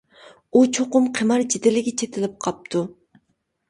-ئۇ چوقۇم قىمار جېدىلىگە چېتىلىپ قاپتۇ.